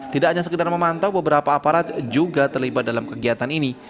tidak hanya sekedar memantau beberapa aparat juga terlibat dalam kegiatan ini